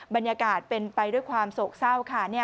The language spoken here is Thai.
บรรยากาศเป็นไปด้วยความโศกเศร้าค่ะ